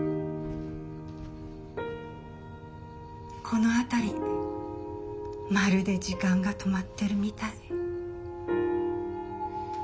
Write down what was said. この辺りまるで時間が止まってるみたい。